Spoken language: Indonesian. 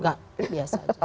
nggak biasa aja